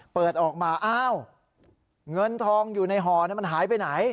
เปิดออกมาอ้าวเงินทองอยู่ในห่อมันหายไปไหน